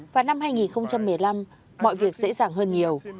vào năm hai nghìn một mươi năm mọi việc dễ dàng hơn nhiều